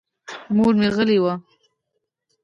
مور مې غلې وه.